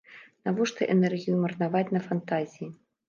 Навошта энергію марнаваць на фантазіі?